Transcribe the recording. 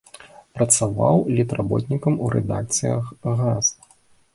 Працаваў літработнікам у рэдакцыях газ.